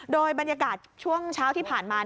โดยบรรยากาศช่วงเช้าที่ผ่านมา